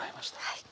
はい。